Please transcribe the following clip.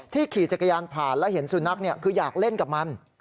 ขี่จักรยานผ่านแล้วเห็นสุนัขคืออยากเล่นกับมัน